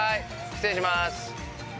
失礼します。